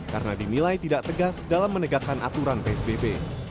karena dinilai tidak tegas dalam menegakkan aturan psbb